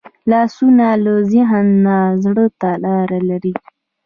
لاسونه له ذهن نه زړه ته لاره لري